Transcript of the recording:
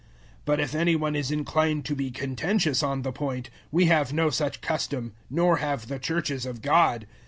011:016 But if any one is inclined to be contentious on the point, we have no such custom, nor have the Churches of God.